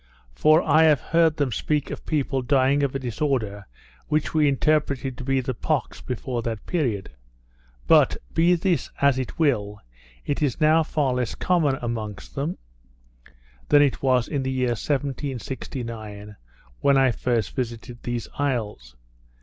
For I have heard them speak of people dying of a disorder which we interpreted to be the pox before that period. But, be this as it will, it is now far less common amongst them, than it was in the year 1769, when I first visited these isles.